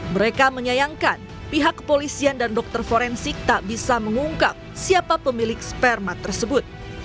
mereka menyayangkan pihak kepolisian dan dokter forensik tak bisa mengungkap siapa pemilik sperma tersebut